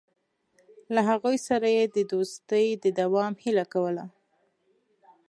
له هغوی سره یې د دوستۍ د دوام هیله کوله.